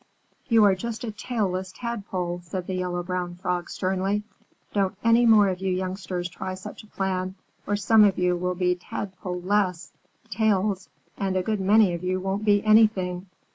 "You are just a tailless Tadpole," said the Yellow Brown Frog sternly. "Don't any more of you youngsters try such a plan, or some of you will be Tadpole less tails and a good many of you won't be anything."